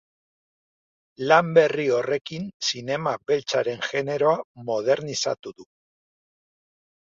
Lan berri horrekin zinema beltzaren generoa modernizatu du.